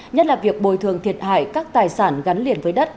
nhất là việc bồi thường thiệt hại các tài sản gắn liền với đất